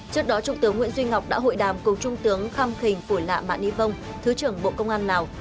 trước đó trung tướng nguyễn duy ngọc đã hội đàm cùng trung tướng kham khình phủy lạ mạ ný vông thứ trưởng bộ công an lào